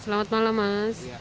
selamat malam mas